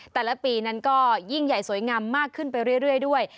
แต่ละปีนั้นก็ยิ่งใหญ่สวยงามมากขึ้นไปเรื่อยด้วย